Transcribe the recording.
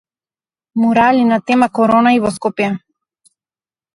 Мурали на тема Корона и во Скопје